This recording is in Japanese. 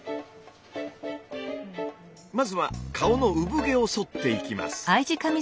まずは顔の産毛をそっていきます。